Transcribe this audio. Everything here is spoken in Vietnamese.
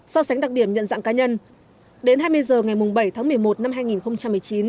so sánh đặc điểm nhận dạng cá nhân đến hai mươi h ngày bảy tháng một mươi một năm hai nghìn một mươi chín